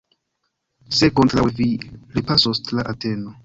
Se kontraŭe, vi repasos tra Ateno!